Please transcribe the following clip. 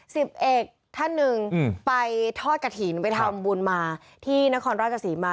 สิบเอกท่านหนึ่งไปทอดกระถิ่นไปทำบุญมาที่นครราชศรีมา